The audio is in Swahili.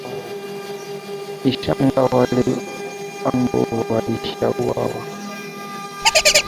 ichanga wale ambao walishauwawa